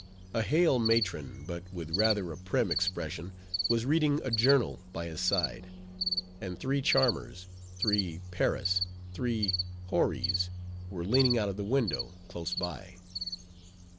A hale matron, but with rather a prim expression, was reading a journal by his side: and three charmers, three Peris, three Houris! were leaning out of the window close by.